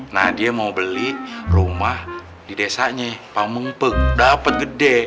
nah dia mau beli rumah di desanya pampung peg dapet gede